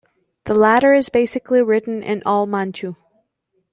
The latter is basically written in Old Manchu.